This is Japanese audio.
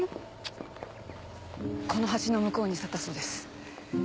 この橋の向こうに去ったそうです。